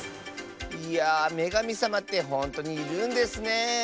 いやめがみさまってほんとにいるんですねえ。